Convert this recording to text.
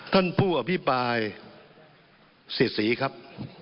ท่านผู้อภิปรายศรีศรีครับ